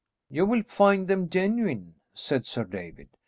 "You will find them genuine," said Sir David.